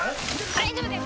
大丈夫です